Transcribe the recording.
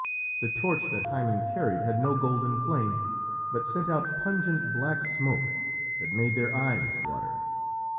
The torch that Hymen carried had no golden flame, but sent out pungent black smoke that made their eyes water.